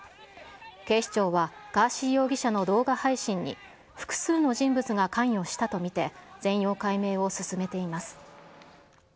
警視庁はガーシー容疑者の動画配信に複数の人物が関与したと見て、全容解明を進めています。